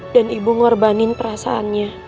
dan ibu ngorbanin perasaannya